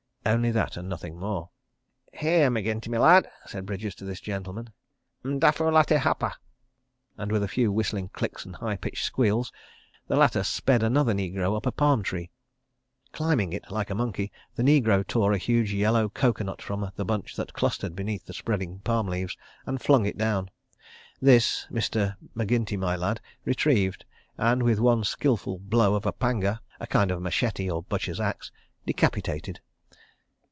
("Only that and nothing more.") "Here, MacGinty my lad," said Bridges to this gentleman, "m'dafu late hapa," and with a few whistling clicks and high pitched squeals, the latter sped another negro up a palm tree. Climbing it like a monkey, the negro tore a huge yellow coco nut from the bunch that clustered beneath the spreading palm leaves, and flung it down. This, Mr. MacGinty my lad retrieved and, with one skilful blow of a panga, a kind of machete or butchers' axe, decapitated.